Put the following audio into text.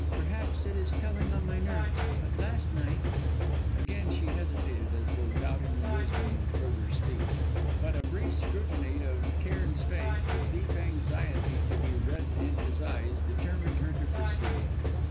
Perhaps it is telling on my nerves, but last night " Again she hesitated, as though doubting the wisdom of further speech; but a brief scrutiny of Cairn's face, with deep anxiety to be read in his eyes, determined her to proceed.